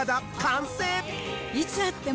いつ会っても。